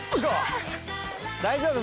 大丈夫？